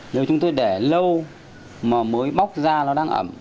nếu chúng tôi để lâu mà mới bóc ra nó đang ẩm